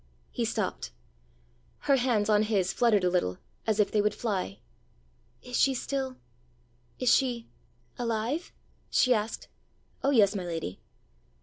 He stopped. Her hands on his fluttered a little, as if they would fly. "Is she still is she alive?" she asked. "Oh yes, my lady."